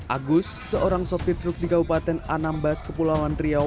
agus seorang sopir truk di kabupaten anambas kepulauan riau